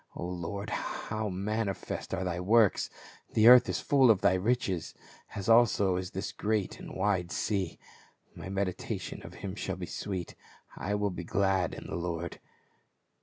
O Lord, how manifest are thy works ! the earth is full of thy riches, as also is this great and wide sea. My meditation of him shall be sweet ; I will be glad in the Lord."